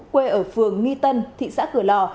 quê ở phường nghi tân thị xã cửa lò